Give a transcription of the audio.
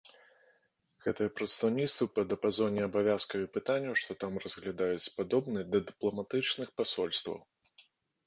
Гэтыя прадстаўніцтвы, па дыяпазоне абавязкаў і пытанняў, што там разглядаюць, падобны да дыпламатычных пасольстваў.